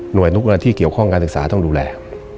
โดยทุกงานที่เกี่ยวข้องการศึกษาต้องดูแล